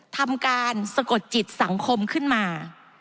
ทำการสะกดจิตสังคมขึ้นมา